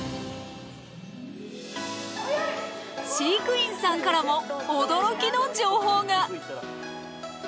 飼育員さんからも驚きの情報が。